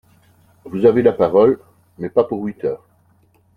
Vous avez la parole, mais pas pour huit heures